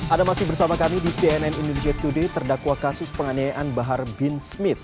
ada masih bersama kami di cnn indonesia today terdakwa kasus penganiayaan bahar bin smith